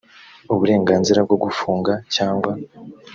uburenganzira bwo gufunga cyangwa